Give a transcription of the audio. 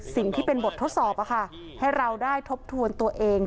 สิ่งที่เป็นบททดสอบให้เราได้ทบทวนตัวเอง